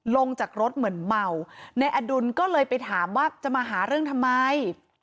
ลงจากรถเหมือนเมานายอดุลก็เลยไปถามว่าจะมาหาเรื่องทำไม